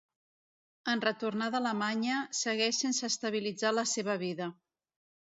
En retornar d'Alemanya segueix sense estabilitzar la seva vida.